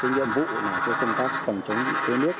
nhiệm vụ công tác phòng chống đuối nước